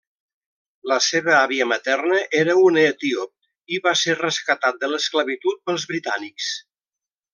La seva àvia materna era una etíop i va ser rescatat de l'esclavitud pels britànics.